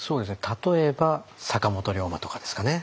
例えば坂本龍馬とかですかね。